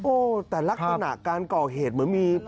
โอ้โหแต่ลักษณะการก่อเหตุเหมือนมี